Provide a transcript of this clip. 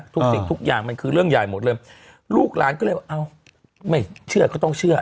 สิ่งทุกอย่างมันคือเรื่องใหญ่หมดเลยลูกหลานก็เลยว่าเอ้าไม่เชื่อก็ต้องเชื่อ